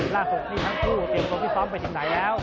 ล่า๖นี่ทั้งคู่ติดตรงพี่ซ้อมไปถึงไหนแล้ว